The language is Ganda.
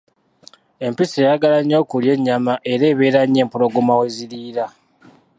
Empisi eyagala nnyo okulya ennyama era ebeera nnyo empologoma we ziriira.